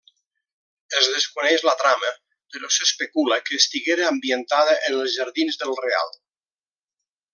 Es desconeix la trama, però s'especula que estiguera ambientada en els Jardins del Real.